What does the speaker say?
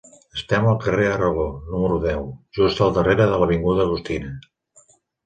Estem al carrer Aragó, número deu, just al darrere de l'avinguda Agustina.